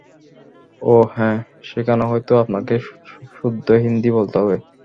ওহ, হ্যাঁঁ, সেখানে হয়তো আপনাকে সুদ্ধ হিন্দি বলতে হবে।